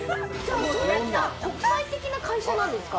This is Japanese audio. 国際的な会社なんですか？